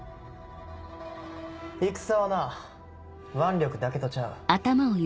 戦はな腕力だけとちゃう。